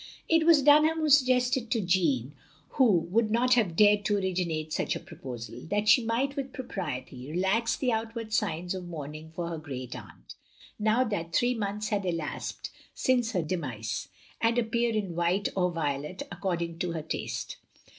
It was Dunham who suggested to Jeanne, (who would not have dared to originate such a proposal) that she might with propriety relax the outward sigps of mourning for her great atmt, now that three months had elapsed since her demise; and appear in white, or violet, according to her taste.